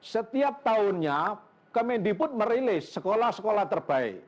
setiap tahunnya kemendikbud merilis sekolah sekolah terbaik